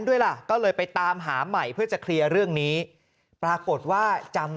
ด้วยล่ะก็เลยไปตามหาใหม่เพื่อจะเคลียร์เรื่องนี้ปรากฏว่าจำ